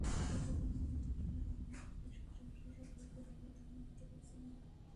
কিন্তু দালাল চক্রের কারণে কৃষক সরাসরি সরকারি গুদামে ধান দিতে পারছেন না।